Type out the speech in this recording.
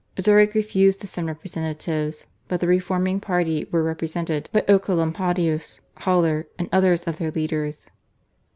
Zurich refused to send representatives, but the reforming party were represented by Oecolampadius, Haller, and others of their leaders.